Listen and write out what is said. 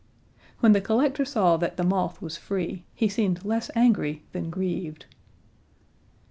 When the collector saw that the moth was free, he seemed less angry than grieved.